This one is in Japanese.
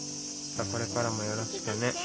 これからもよろしくね。